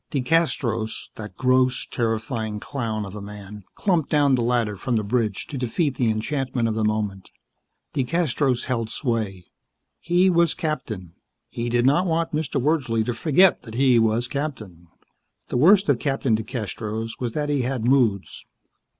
DeCastros, that gross, terrifying clown of a man, clumped down the ladder from the bridge to defeat the enchantment of the moment. DeCastros held sway. He was captain. He did not want Mr. Wordsley to forget that he was captain. The worst of Captain DeCastros was that he had moods.